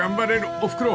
［おふくろ